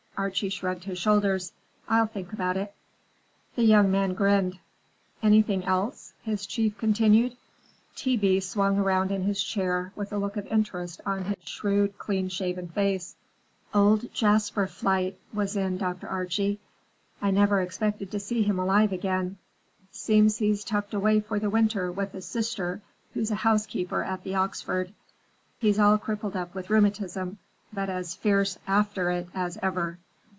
Archie shrugged his shoulders. "I'll think about it." The young man grinned. "Anything else?" his chief continued. T. B. swung round in his chair with a look of interest on his shrewd, clean shaven face. "Old Jasper Flight was in, Dr. Archie. I never expected to see him alive again. Seems he's tucked away for the winter with a sister who's a housekeeper at the Oxford. He's all crippled up with rheumatism, but as fierce after it as ever.